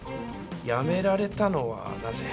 辞められたのはなぜ？